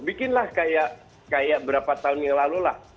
bikinlah kayak berapa tahun yang lalu lah